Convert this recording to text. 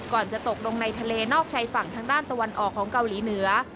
จะตกลงในทะเลนอกชายฝั่งทางด้านตะวันออกของเกาหลีเหนือ